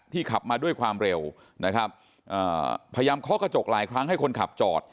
ขับมาด้วยความเร็วนะครับพยายามเคาะกระจกหลายครั้งให้คนขับจอด